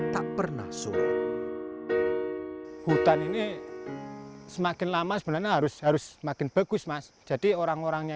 tak pernah surut hutan ini semakin lama sebenarnya harus harus makin bagus mas jadi orang orangnya